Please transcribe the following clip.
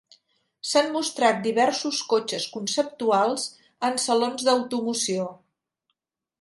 S'han mostrat diversos cotxes conceptuals en salons d'automoció.